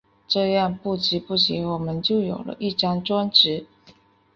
这样不知不觉我们就有了一张专辑。